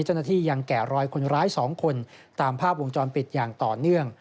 เจ้าหน้าที่ยังแกะรอยคนร้าย๒คนตามภาพวงจรปิดอย่างต่อเนื่อง